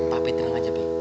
tapi tenang aja p